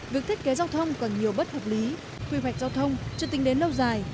việc thiết kế giao thông còn nhiều bất hợp lý quy hoạch giao thông chưa tính đến lâu dài